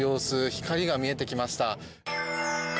光が見えてきました。